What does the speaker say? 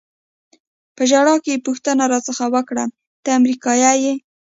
په ژړا کې یې پوښتنه را څخه وکړه: ته امریکایي یې؟